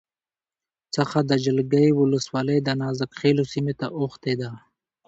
څخه د جلگې ولسوالی دنازک خیلو سیمې ته اوښتې ده